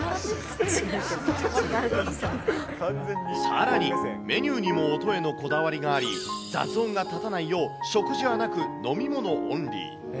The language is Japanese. さらに、メニューでも音へのこだわりがあり、雑音が立たないよう、食事はなく、飲み物オンリー。